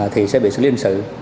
thì sẽ bị xử lý hình sự